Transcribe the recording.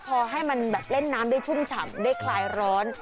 พอให้มันแบบเล่นน้ำได้ชุ่มฉ่ำได้คลายร้อน